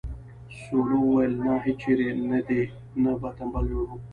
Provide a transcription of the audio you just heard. سویلو وویل نه هیچېرې نه دې نه به تمبل جوړوو.